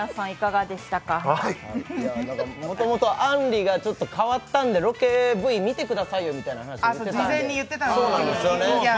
もともとあんりが、ちょっと変わったんでロケＶ見てくださいって言ってたんです。